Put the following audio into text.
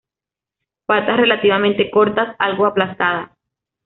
Patas relativamente cortas, algo aplastadas.